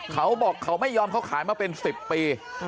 เขาบอกเขาไม่ยอมเขาขายมาเป็น๑๐ปี